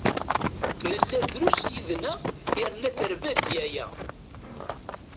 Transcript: Nella drus yid-neɣ yerna terba-d yaya.